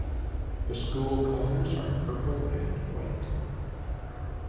The school colors are purple and white.